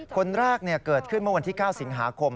คนแรกเกิดขึ้นเมื่อวันที่๙สิงหาคม